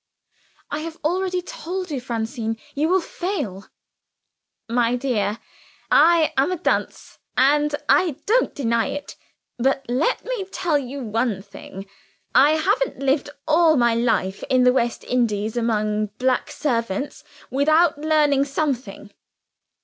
"I have already told you, Francine you will fail." "My dear, I am a dunce, and I don't deny it. But let me tell you one thing. I haven't lived all my life in the West Indies, among black servants, without learning something."